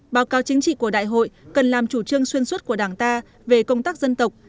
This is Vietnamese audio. báo cáo chính trị của đại hội cần làm chủ trương xuyên suốt của đảng ta về công tác dân tộc